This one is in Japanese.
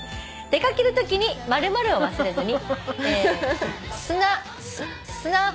「出かける時○○を忘れずに」